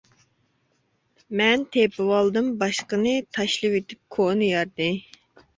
مەن تېپىۋالدىم باشقىنى، تاشلىۋېتىپ كونا يارنى.